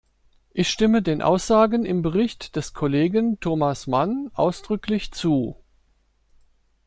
Ich stimme den Aussagen im Bericht des Kollegen Thomas Mann ausdrücklich zu.